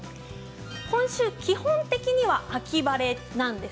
今週は基本的には秋晴れなんです。